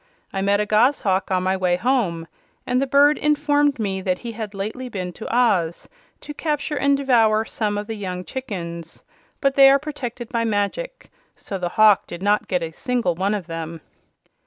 I met a goshawk on my way home, and the bird informed me that he had lately been to Oz to capture and devour some of the young chickens. But they are protected by magic, so the hawk did not get a single one of them."